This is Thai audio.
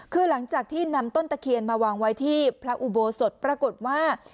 คือหลังจากที่นำต้นตะเคียนมาวางไว้ที่พระอุโบสถปรากฏว่า